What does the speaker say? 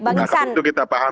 nah itu kita paham